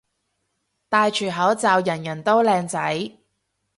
戴住口罩人人都靚仔